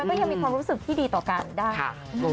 ก็ยังมีความรู้สึกที่ดีต่อกันได้